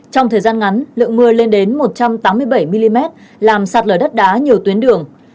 trong thời gian ngắn lượng mưa lên đến một trăm tám mươi bảy mm làm sạt lở đất đá nhiều tuyến đường